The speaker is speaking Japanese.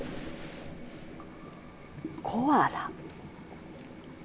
コアラ。